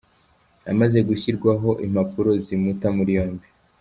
Yamaze gushyirirwaho impapuro zimuta muri yombi.